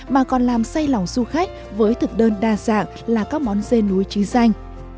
mà còn làm say lòng du khách với thực đơn đa dạng là các món dê núi trí danh